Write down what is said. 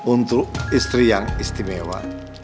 untuk istri yang istimewa